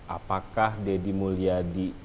apakah deddy mulyadi